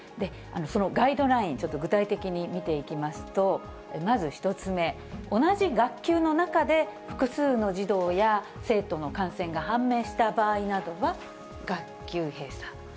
そのガイドライン、ちょっと具体的に見ていきますと、まず１つ目、同じ学級の中で複数の児童や生徒の感染が判明した場合などは、学級閉鎖。